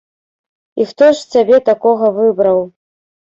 І хто ж цябе такога выбраў?